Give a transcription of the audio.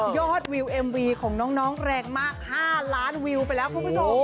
วิวเอ็มวีของน้องแรงมาก๕ล้านวิวไปแล้วคุณผู้ชม